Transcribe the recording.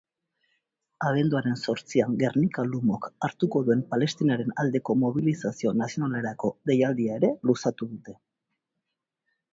Abenduaren zortzian Gernika-Lumok hartuko duen Palestinaren aldeko mobilizazio nazionalerako deialdia ere luzatu dute.